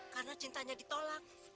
karena cintanya ditolak